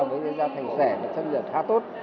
với ra thành sẻ và chất lượng khá tốt